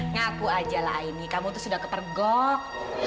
ngaku aja lah ini kamu tuh sudah kepergok